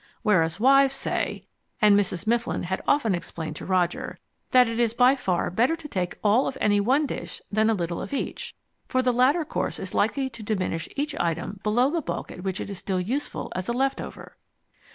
Whereas wives say (and Mrs. Mifflin had often explained to Roger) that it is far better to take all of any one dish than a little of each; for the latter course is likely to diminish each item below the bulk at which it is still useful as a left over.